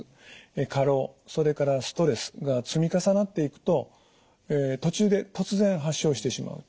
過労それからストレスが積み重なっていくと途中で突然発症してしまうと。